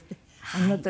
あの時？